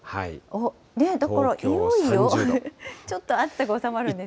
だからいよいよ、ちょっと暑さが収まるんですか。